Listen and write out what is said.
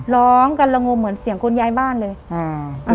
ร้องกันละงมเหมือนเสียงคนย้ายบ้านเลยอ่า